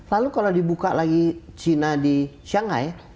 lalu kalau dibuka lagi china di shanghai